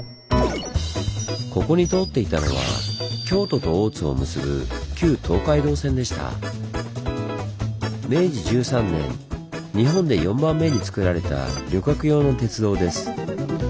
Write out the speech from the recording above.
ここに通っていたのは明治１３年日本で４番目につくられた旅客用の鉄道です。